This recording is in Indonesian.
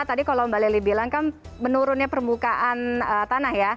tadi kalau mbak lili bilang kan menurunnya permukaan tanah ya